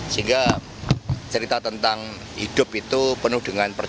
sehingga cerita tentang hidup itu penuh dengan percaya